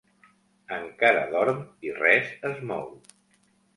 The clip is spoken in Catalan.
Encara dorm i res es mou.